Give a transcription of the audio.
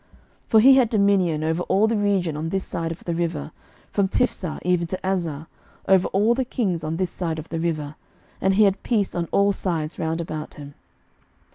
11:004:024 For he had dominion over all the region on this side the river, from Tiphsah even to Azzah, over all the kings on this side the river: and he had peace on all sides round about him.